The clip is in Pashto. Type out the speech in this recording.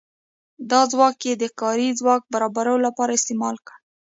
دا ځواک یې د کاري ځواک برابرولو لپاره استعمال کړ.